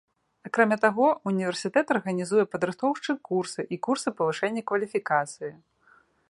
Акрамя таго, універсітэт арганізуе падрыхтоўчыя курсы і курсы павышэння кваліфікацыі.